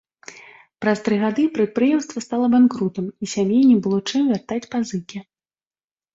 Праз тры гады прадпрыемства стала банкрутам, і сям'і не было чым вяртаць пазыкі.